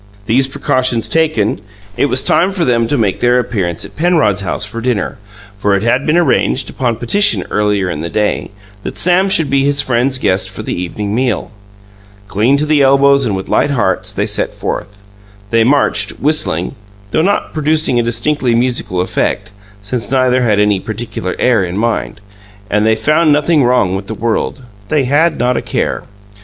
These precautions taken, it was time for them to make their appearance at Penrod's house for dinner, for it had been arranged, upon petition earlier in the day, that Sam should be his friend's guest for the evening meal. Clean to the elbows and with light hearts, they set forth. They marched, whistling though not producing a distinctly musical effect, since neither had any particular air in mind and they found nothing wrong with the world; they had not a care.